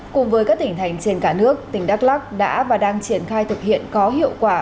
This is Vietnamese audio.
cùng với các tỉnh thành trên cả nước tỉnh đắk lắc đã và đang triển khai thực hiện có hiệu quả